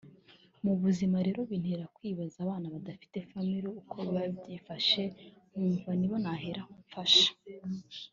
Mu buzima rero bintera kwibaza abana badafite family uko biba byifashe nkumva nibo naheraho mfasha